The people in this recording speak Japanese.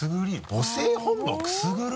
母性本能をくすぐる？